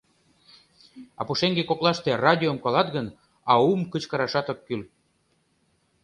— А пушеҥге коклаште радиом колат гын, аум кычкырашат ок кӱл.